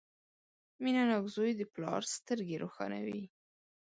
• مینهناک زوی د پلار سترګې روښانوي.